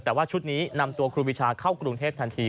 แต่ว่าชุดนี้นำตัวครูวิชาเข้ากรุงเทพทันที